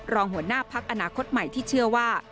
รองหัวหน้าพักอนาคตใหม่ที่เชื่อว่า